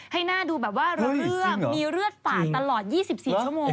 ให้หน้าดูแบบว่าระเอื้อมมีเลือดฝาดตลอด๒๔ชั่วโมง